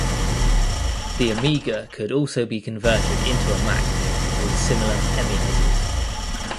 The Amiga could also be converted into a Mac with similar emulators.